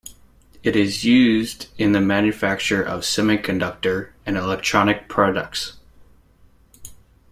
It is used in the manufacture of semiconductor and electronic products.